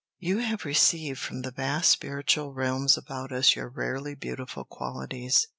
You have received from the vast spiritual realms about us your rarely beautiful qualities.